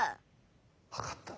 わかった。